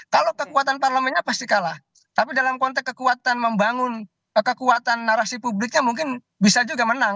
kalau kekuatan parlemennya pasti kalah tapi dalam konteks kekuatan membangun kekuatan narasi publiknya mungkin bisa juga menang